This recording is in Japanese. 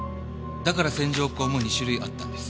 だから線条痕も２種類あったんです。